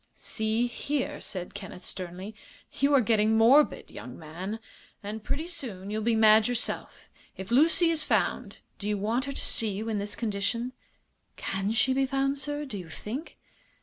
"See here," said Kenneth, sternly, "you are getting morbid, young man, and pretty soon you'll be mad yourself. If Lucy is found do you want her to see you in this condition?" "Can she be found, sir, do you think?"